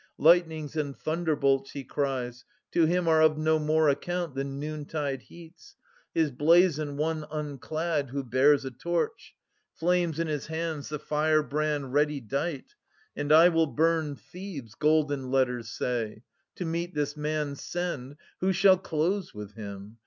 Lightnings and thunderbolts, he cries, to him 430 Are of no more account than noontide heats. His blazon, one unclad who bears a torch : Flames in his hands the firebrand ready dight ; And * I will bum Thebes,* golden letters say. To meet this man send — who shall close with him